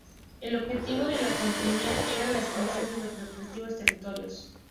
El objetivo de la contienda era la expansión de los respectivos territorios.